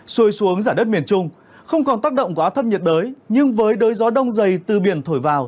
xui xuống giả đất miền trung không còn tác động của áp thấp nhiệt đới nhưng với đới gió đông dày từ biển thổi vào